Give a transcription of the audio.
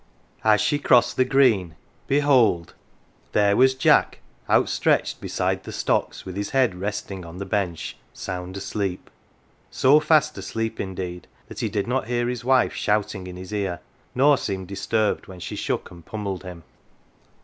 As she crosssed the green, behold ! there was Jack outstretched beside the stocks, with his head resting on the bench, sound asleep so fast asleep, indeed, that he did not hear his wife shouting in his ear, nor seem dis turbed when she shook and pommelled him.